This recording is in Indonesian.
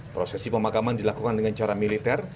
prosesi pemakaman dilakukan dengan cara militer